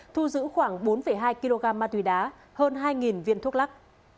thu giữ khoảng bốn hai kg ma túy đá hơn hai viên thuốc lắc